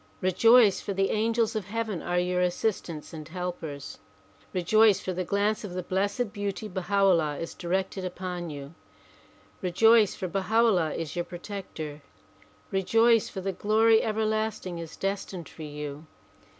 Rejoice, for the angels of heaven are your assistants and helpers. Rejoice, for the glance of the Blessed Beauty Baha 'Ullah is directed upon you. Rejoice, for Baha 'Ullah is your protector. Rejoice, for the glory everlasting is destined for you.